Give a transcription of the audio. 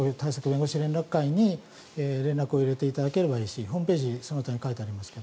弁護士連絡会に連絡を入れていただければいいしホームページその他に書いてありますが。